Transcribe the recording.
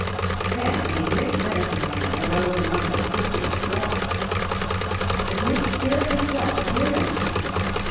Then a great Medicine Man arose among them who preached war. "The Great Spirit himself appeared unto me," he said.